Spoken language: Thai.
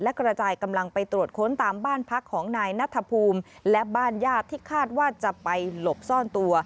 และกระจายกำลังไปตรวจค้นตามบ้านพักของนายนัทภูมิและบ้านญาติที่คาดว่าจะไปหลบซ่อนตัว